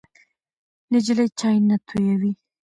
نجلۍ چای نه تویوي.